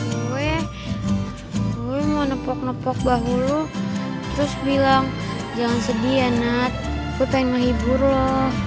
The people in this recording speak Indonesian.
gue mau nepok nepok bahu lo terus bilang jangan sedih ya nat gue pengen nghibur lo